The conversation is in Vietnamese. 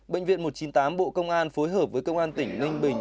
bệnh viện một trăm chín mươi tám bộ công an phối hợp với công an tỉnh ninh bình